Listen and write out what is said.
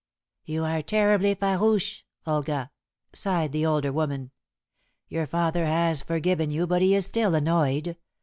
"You are terribly farouche, Olga," sighed the elder woman. "Your father has forgiven you, but he is still annoyed.